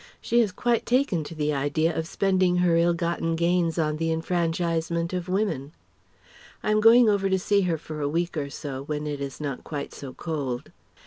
She has quite taken to the idea of spending her ill gotten gains on the Enfranchisement of Women! (I am going over to see her for a week or so, when it is not quite so cold.)